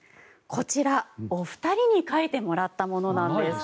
こちら、お二人に描いてもらったものなんです。